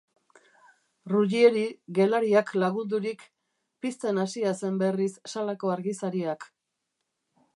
Ruggieri, gelariak lagundurik, pizten hasia zen berriz salako argizariak.